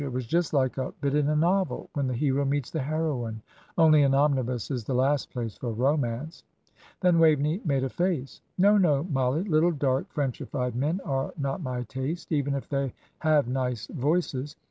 It was just like a bit in a novel when the hero meets the heroine only an omnibus is the last place for a romance." Then Waveney made a face. "No, no, Mollie, little dark Frenchified men are not my taste, even if they have nice voices.